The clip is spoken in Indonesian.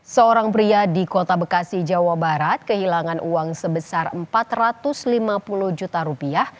seorang pria di kota bekasi jawa barat kehilangan uang sebesar empat ratus lima puluh juta rupiah